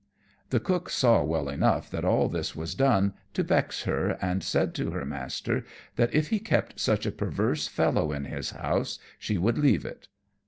The cook saw well enough that all this was done to vex her, and said to her master that if he kept such a perverse fellow in his house she would leave it.